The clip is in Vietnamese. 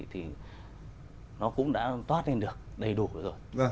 thì nó cũng đã toát lên được đầy đủ rồi